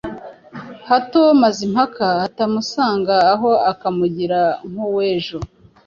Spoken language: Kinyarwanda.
hato Mazimpaka atamusanga aho akamugira nk'uwejo